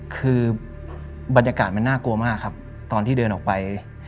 คือบรรยากาศมันน่ากลัวมากครับตอนที่เดินออกไป